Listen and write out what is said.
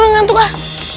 enggak tuh kak